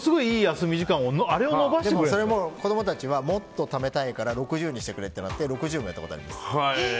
休み時間子供たちはもっとためたいから６０にしてくれってなって６０もやったことあります。